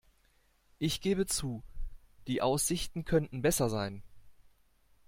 Ich gebe zu, die Aussichten könnten besser sein.